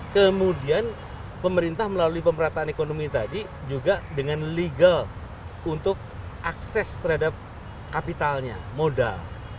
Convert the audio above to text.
kemudian pemerintah melalui pemerataan ekonomi tadi juga dengan legal untuk akses terhadap kapitalnya modal